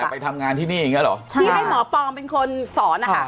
ไปทำงานที่นี่อย่างเงี้เหรอใช่ที่ให้หมอปลอมเป็นคนสอนนะคะ